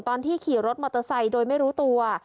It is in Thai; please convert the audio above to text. ตอนที่ขี่รถโมเตอร์ไซส์โดยไม่รู้ตัว